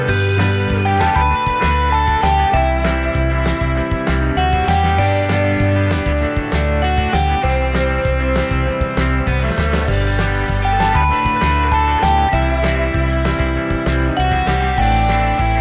โปรดติดตามตอนต่อไป